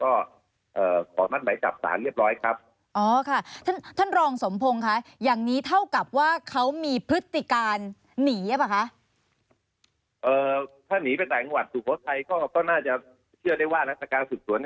เออถ้านีไปแต่งวัดสู่โภชัยก็น่าจะเชื่อได้ว่านักศึกษ์ส่วน